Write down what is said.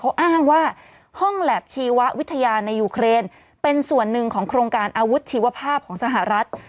เขาอ้างว่าห้องแล็บชีววิทยาในยูเครนเป็นส่วนหนึ่งของโครงการอาวุธชีวภาพของสหรัฐ